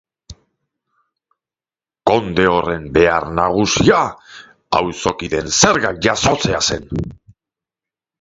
Konde horren behar nagusia auzokideen zergak jasotzea zen.